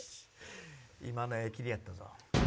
今のええ切りやったぞ。